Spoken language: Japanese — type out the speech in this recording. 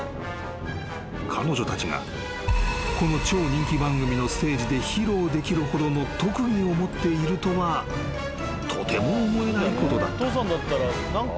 ［彼女たちがこの超人気番組のステージで披露できるほどの特技を持っているとはとても思えないことだった］